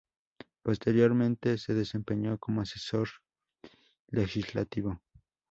Posteriormente se desempeñó como Asesor Legislativo.